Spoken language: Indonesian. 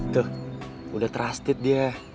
tuh udah trusted dia